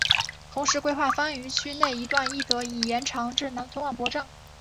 同时规划番禺区内一段亦得以延长至南村万博站。